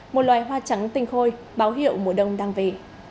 một loài hoa trắng tinh khôi báo hiệu mùa đông đang về